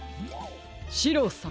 シローさん。